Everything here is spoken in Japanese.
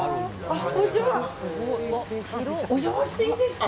お邪魔していいですか。